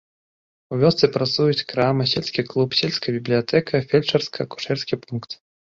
У вёсцы працуюць крама, сельскі клуб, сельская бібліятэка, фельчарска-акушэрскі пункт.